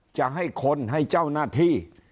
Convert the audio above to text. จะให้คนให้เจ้าหน้าที่